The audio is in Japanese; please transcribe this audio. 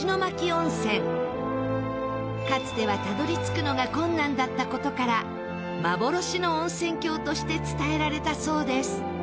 かつてはたどり着くのが困難だった事から幻の温泉郷として伝えられたそうです。